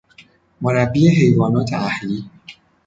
مربی حیوانات اهلی